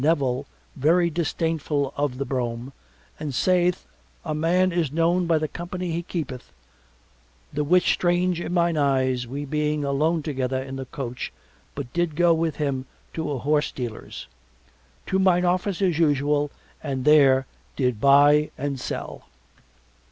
Nevil very disdainful of the brougham and saith a man is known by the company he keepeth, the which strange in mine eyes we being alone together in the coach but did go with him to a horse dealer's. To mine office as usual and there did buy and sell.